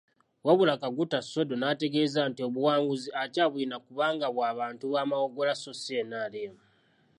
Wabula Kaguta Sodo n'ategeeza nti obuwanguzi akyabulina kubanga bw'abantu ba Mawogola so si NRM.